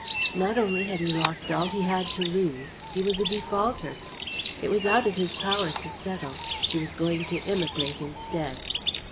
Not only had he lost all he had to lose, he was a defaulter. It was out of his power to settle, he was going to emigrate instead.